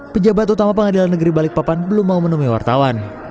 pejabat utama pengadilan negeri balikpapan belum mau menemui wartawan